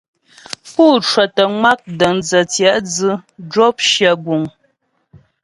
Pú cwətə ŋwa' dəndzə̀ tyɛ̌'dzʉ zhwɔp shyə guŋ.